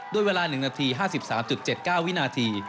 ด้วยเวลา๑นาที๕๓๗๙วินาที